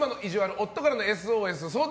夫からのＳＯＳ相談